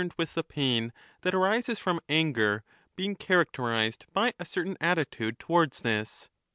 I23I* ETHICA EUDEMIA with the pain that arises from anger, being characterized by a certain attitude towards this.